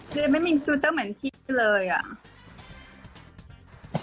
มันไม่มีฟิลเตอร์ต่อมาเหมือนขี้เลยอ่ะ